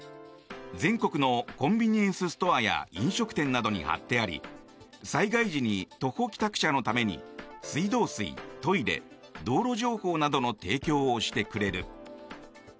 全国のコンビニエンスストアや飲食店などに貼ってあり災害時に徒歩帰宅者のために水道水、トイレ、道路情報などの提供をしてくれる。